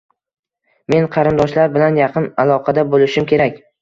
- Men qarindoshlar bilan yaqin aloqada bo'lishim kerak